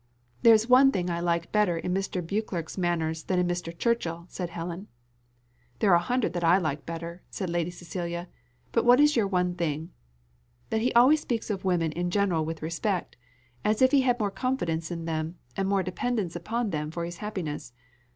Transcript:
"There is one thing I like better in Mr. Beauclerc's manners than in Mr. Churchill," said Helen. "There are a hundred I like better," said Lady Cecilia, "but what is your one thing?" "That he always speaks of women in general with respect as if he had more confidence in them, and more dependence upon them for his happiness.